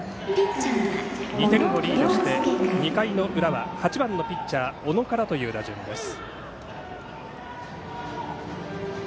２点をリードして２回の裏は８番のピッチャー小野からという打順です。